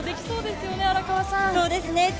そうですね。